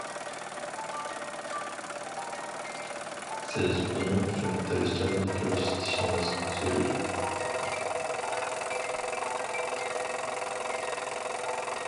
سىز بۇنىڭ ئۈچۈن تىرىشچانلىق كۆرسىتىشىڭىز زۆرۈر.